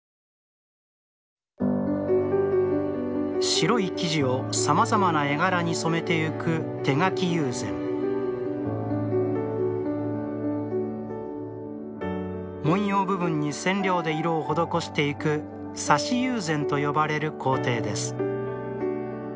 白い生地をさまざまな絵柄に染めてゆく手描き友禅文様部分に染料で色を施していく挿し友禅と呼ばれる工程です